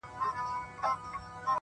• زه به هم داسي وكړم،